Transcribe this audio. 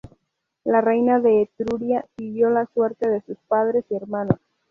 La reina de Etruria siguió la suerte de sus padres y hermanos.